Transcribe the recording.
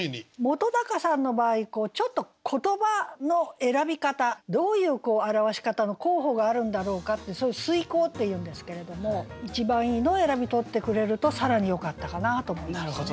本さんの場合ちょっと言葉の選び方どういう表し方の候補があるんだろうかってそれ推敲っていうんですけれども一番いいのを選び取ってくれると更によかったかなと思いますね。